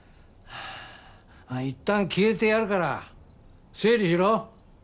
いったん消えてやるから整理しろ。